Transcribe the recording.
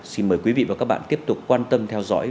xin mời quý vị và các bạn tiếp tục quan tâm theo dõi